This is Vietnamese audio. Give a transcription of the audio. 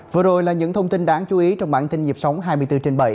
vừa rồi là những thông tin đáng chú ý trong bản tin dịp sóng hai mươi bốn h bảy